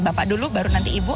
bapak dulu baru nanti ibu